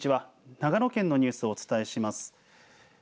長野県のニュースをお伝えします。